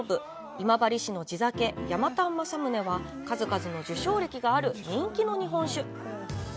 今治市の地酒、山丹正宗は、数々の受賞歴がある人気の日本酒。